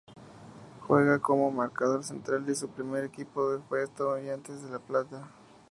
Juega como marcador central y su primer equipo fue Estudiantes de La Plata.